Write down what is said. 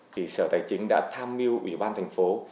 thì sở tài chính đã tham mưu ủy ban thành phố